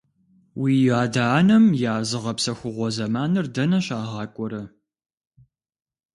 Уи адэ-анэм я зыгъэпсэхугъуэ зэманыр дэнэ щагъакӀуэрэ?